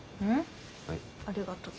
ありがとう。